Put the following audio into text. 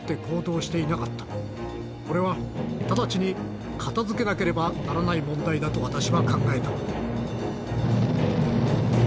これは直ちに片づけなければならない問題だと私は考えた」。